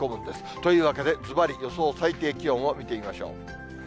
というわけでずばり、予想最低気温を見てみましょう。